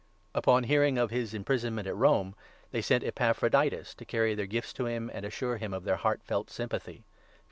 Upon hearing of his imprisonment at Rome, they sent Epaphroditus to carry their gifts to him, and to assure him of their heart felt sympathy (Phil.